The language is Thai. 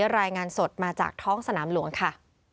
รายงานสดมาจากท้องสนามหลวงค่ะ